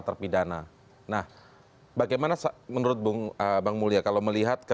terima kasih pak